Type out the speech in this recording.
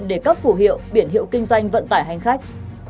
để cấp phủ hiệu biển hiệu kinh doanh vận tải hành khách